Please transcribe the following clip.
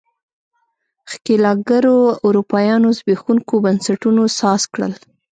ښکېلاکګرو اروپایانو زبېښونکو بنسټونو ساز کړل.